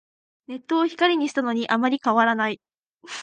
ネットを光にしたのにあんまり変わらない